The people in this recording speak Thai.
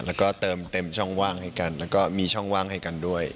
แล้วก็เติมเต็มช่องว่างให้กันแล้วก็มีช่องว่างให้กันด้วย